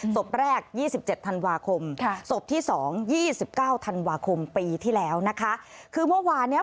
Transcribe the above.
ศพแรก๒๗ธันวาคมศพที่สองยี่สิบเก้าธันวาคมปีที่แล้วนะคะคือเมื่อวานเนี้ย